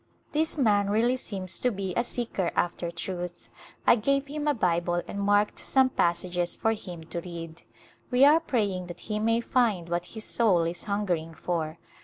This man really seems to be a seeker after truth. I gave him a Bible and marked some passages for him to read. We are praying that he may find what his soul is hungering for.